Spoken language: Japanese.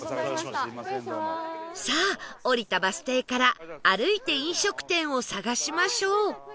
さあ降りたバス停から歩いて飲食店を探しましょう